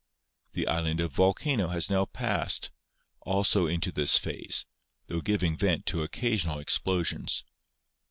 The island of Vulcano has now passed also into this phase, tho giving vent to occasional explosions.